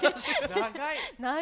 長い！